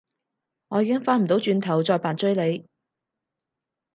我已經返唔到轉頭再扮追你